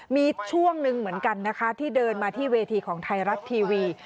มีช่วงหนึ่งเหมือนกันนะคะที่เดินมาที่เวทีของไทยรัฐทีวี